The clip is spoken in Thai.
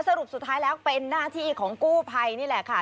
สรุปสุดท้ายแล้วเป็นหน้าที่ของกู้ภัยนี่แหละค่ะ